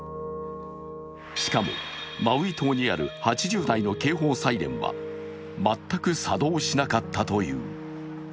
しかもマウイ島にある８０台の警報サイレンは全く作動しなかったという。